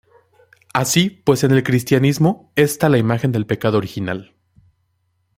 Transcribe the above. Así pues en el cristianismo esta la imagen del pecado original.